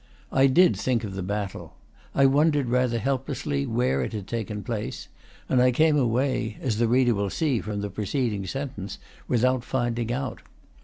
I did think of the battle. I wondered, rather helplessly, where it had taken place; and I came away (as the reader will see from the preceding sentence) without finding out.